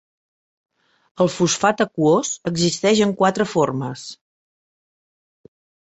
El fosfat aquós existeix en quatre formes.